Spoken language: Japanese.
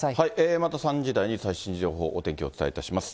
また３時台に最新情報、お天気、お伝えいたします。